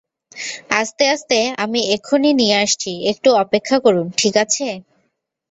আস্তে আস্তে, আমি এক্ষুনি নিয়ে আসছি একটু অপেক্ষা করুন, ঠিক আছে?